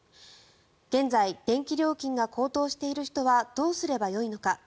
現在電気料金が高騰している人はどうすればよいのか。